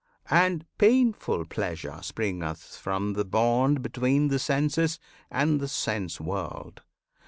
And painful Pleasure springeth from the bond Between the senses and the sense world.